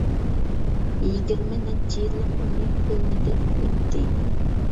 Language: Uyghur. يىگىرمە نەچچە يىللىق ئۆمرى پۇلنى دەپ ئۆتتى.